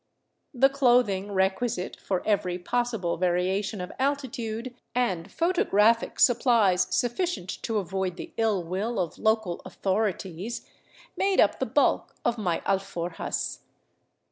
The clothing requisite for every possible variation of altitude, and photographic supplies sufficient to avoid the ill will of local " authori ties," made up the bulk of my alforjas.